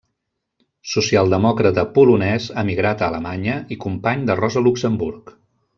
Socialdemòcrata polonès emigrat a Alemanya i company de Rosa Luxemburg.